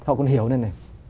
họ còn hiểu nên này